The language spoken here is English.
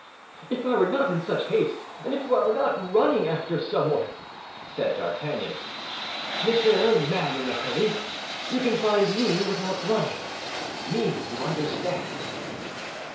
"Ah! If I were not in such haste, and if I were not running after someone," said D'Artagnan. "Monsieur Man in a hurry, you can find me without running—me, you understand?"